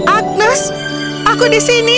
agnus aku di sini